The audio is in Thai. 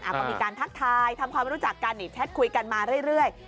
ก็มีการทักทายทำความรู้จักกันแชทคุยกันมาเรื่อย